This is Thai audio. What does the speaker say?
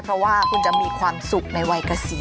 เพราะว่าคุณจะมีความสุขในวัยเกษียณ